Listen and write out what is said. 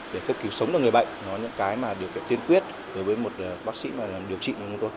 để cấp cứu sống được người bệnh những cái mà được tiên quyết đối với một bác sĩ làm điều trị như chúng tôi